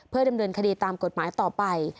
ดำเนินคดีตามกฎหมายต่อไป